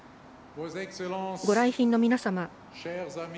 ご来賓の皆様。